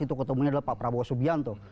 itu ketemunya adalah pak prabowo subianto